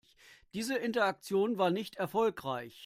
Diese Interaktion war nicht erfolgreich.